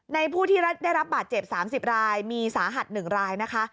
ผู้ที่ได้รับบาดเจ็บ๓๐รายมีสาหัส๑รายนะคะ